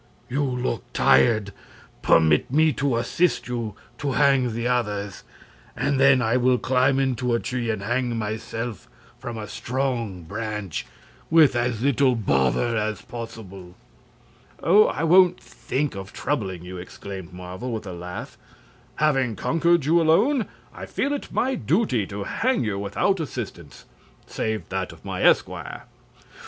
You look tired. Permit me to assist you to hang the others, and then I will climb into a tree and hang myself from a strong branch, with as little bother as possible." "Oh, I won't think of troubling you," exclaimed Marvel, with a laugh. "Having conquered you alone, I feel it my duty to hang you without assistance save that of my esquire."